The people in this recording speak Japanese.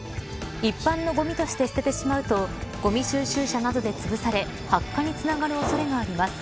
一般のごみとして捨ててしまうとごみ収集車などでつぶされ発火につながる恐れがあります。